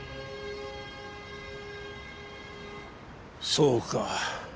そうか。